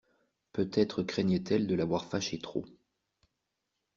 Peut-être craignait-elle de l'avoir fâché trop.